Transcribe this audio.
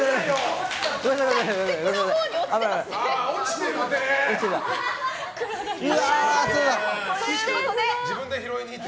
落ちてるって！